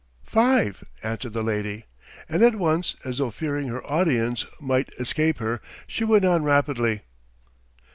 "Five," answered the lady, and at once, as though fearing her audience might escape her, she went on rapidly.